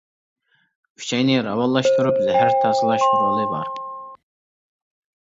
ئۈچەينى راۋانلاشتۇرۇپ، زەھەر تازىلاش رولى بار.